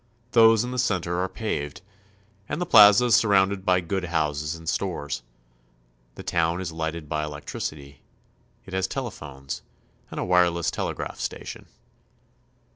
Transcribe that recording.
Those in the cen ter are paved, and the plaza is surrounded by good houses and stores. The town is lighted by electricity. It has telephones, and a wireless telegraph station.